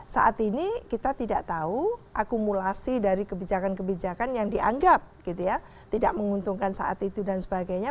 saat ini kita tidak tahu akumulasi dari kebijakan kebijakan yang dianggap gitu ya tidak menguntungkan saat itu dan sebagainya